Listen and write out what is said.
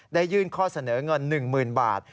ได้ยื่นข้อเสนอเงิน๑๐๐๐บาท